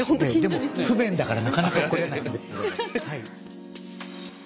でも不便だからなかなか来れない。